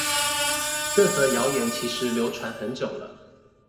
這則謠言其實流傳很久了